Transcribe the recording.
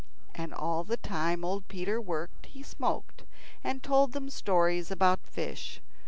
And all the time old Peter worked he smoked, and told them stories about fish.